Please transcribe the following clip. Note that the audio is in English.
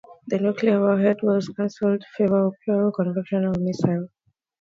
The nuclear warhead was canceled in favor of a purely conventional missile.